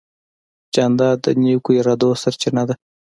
جانداد د نیکو ارادو سرچینه ده.